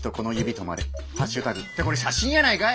＃てこれ写真やないかい＃